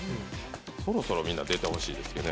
そろそろみんな出てほしいですけどね。